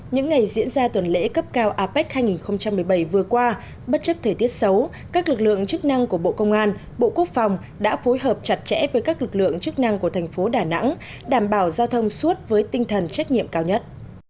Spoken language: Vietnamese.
những ngày diễn ra tuần lễ cấp cao apec hai nghìn một mươi bảy vừa qua bất chấp thời tiết xấu các lực lượng chức năng của bộ công an bộ quốc phòng đã phối hợp chặt chẽ với các lực lượng chức năng của thành phố đà nẵng đảm bảo giao thông suốt với tinh thần trách nhiệm cao nhất